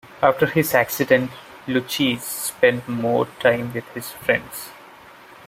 After his accident Lucchese spent more time with his friends.